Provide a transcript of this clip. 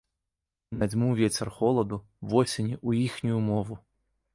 І надзьмуў вецер холаду, восені ў іхнюю мову.